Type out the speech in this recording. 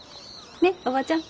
ねっおばちゃん。